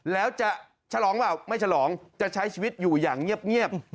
แล้วจะฉลองเปล่าไม่ฉลองจะใช้ชีวิตอยู่อย่างเงียบ